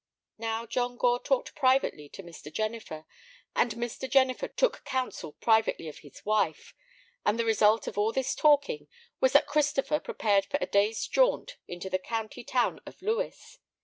Now, John Gore talked privately to Mr. Jennifer, and Mr. Jennifer took counsel privately of his wife, and the result of all this talking was that Christopher prepared for a day's jaunt into the county town of Lewes.